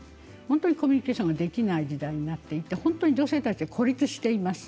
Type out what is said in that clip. コミュニケーションができない時代になっていて女性たちが孤立しています。